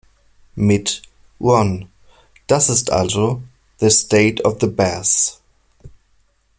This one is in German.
Mit, Ron, das ist also "the state of the bass".